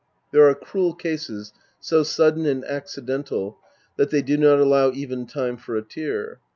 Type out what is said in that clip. There are cruel cases so sudden and accidental that they do not allow even time for a tear.